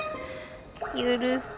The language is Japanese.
許す。